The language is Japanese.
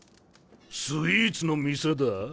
スイーツの店だぁ？